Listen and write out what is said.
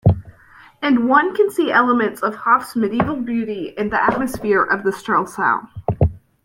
And one can see elements of Hof's medieval beauty in the atmosphere of Strelsau.